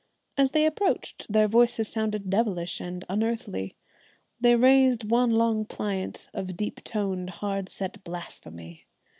As they approached their voices sounded devilish and unearthly. They raised one long plaint of deep toned, hard set blasphemy.